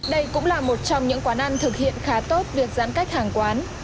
đây cũng là một trong những quán ăn thực hiện khá tốt việc giãn cách hàng quán